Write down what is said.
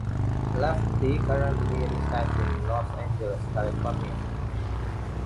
Lafferty currently resides in Los Angeles, California.